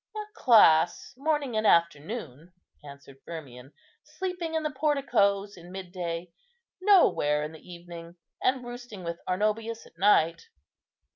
"At class morning and afternoon," answered Firmian, "sleeping in the porticoes in midday, nowhere in the evening, and roosting with Arnobius at night."